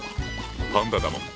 パンダだもん。